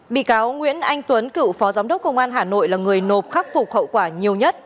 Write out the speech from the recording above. bị cáo nguyễn anh tuấn cựu phó giám đốc công an hà nội là người nộp khắc phục hậu quả nhiều nhất